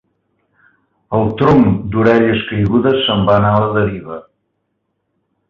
El tronc d'Orelles Caigudes se'n va anar a la deriva.